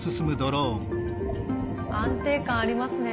安定感ありますね。